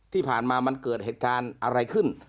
ที่ผ่านมามันเกิดเหตุการณ์อะไรขึ้น